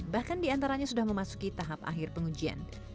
bahkan diantaranya sudah memasuki tahap akhir pengujian